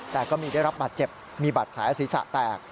แต่ก็มีได้รับบาดเจ็บมีบาดแผลศีรษะแตก